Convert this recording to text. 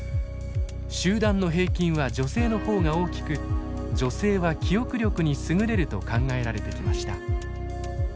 集団の平均は女性の方が大きく女性は記憶力に優れると考えられてきました。